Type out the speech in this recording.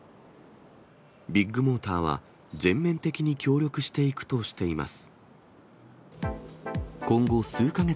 ビッグモーターは、全面的に協力していくとしています。